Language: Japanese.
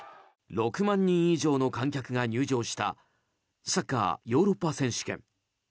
６万人以上の観客が入場したサッカーヨーロッパ選手権。